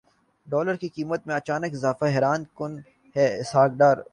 dollar کی قیمت میں اچانک اضافہ حیران کن ہے اسحاق ڈار